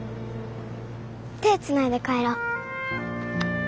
手つないで帰ろう。